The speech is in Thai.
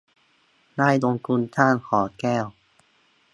ได้ลงทุนสร้างหอแก้ว